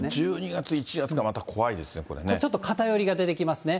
１２月、１月がまた怖いですね、ちょっと偏りが出てきますね。